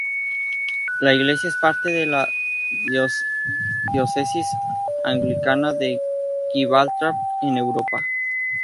La iglesia es parte de la diócesis anglicana de Gibraltar en Europa.